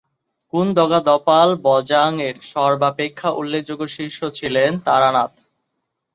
কুন-দ্গা'-দ্পাল-ব্জাংয়ের সর্বাপেক্ষা উল্লেখযোগ্য শিষ্য ছিলেন তারানাথ।